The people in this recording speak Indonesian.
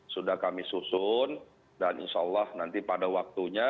sudah kami susun dan insya allah nanti pada waktunya